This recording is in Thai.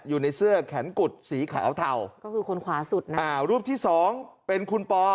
อยู่ในเสื้อแขนกุดสีขาวเทาก็คือคนขวาสุดนะอ่ารูปที่สองเป็นคุณปอ